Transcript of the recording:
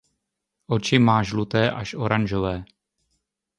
Oči má žluté až oranžové.